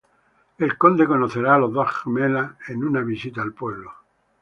El conde conocerá a las dos gemelas en una visita al pueblo.